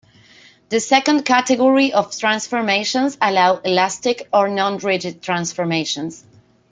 The second category of transformations allow 'elastic' or 'nonrigid' transformations.